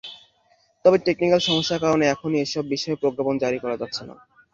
তবে টেকনিক্যাল সমস্যার কারণে এখনই এসব বিষয়ে প্রজ্ঞাপন জারি করা যাচ্ছে না।